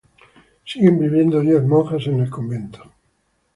Diez monjas siguen viviendo en el convento.